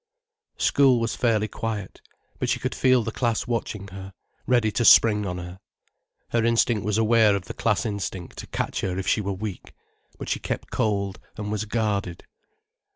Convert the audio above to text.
School was fairly quiet. But she could feel the class watching her, ready to spring on her. Her instinct was aware of the class instinct to catch her if she were weak. But she kept cold and was guarded.